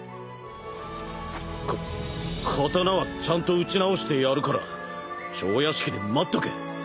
か刀はちゃんと打ち直してやるから蝶屋敷で待っとけ。